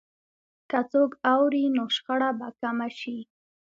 که څوک اوري، نو شخړه به کمه شي.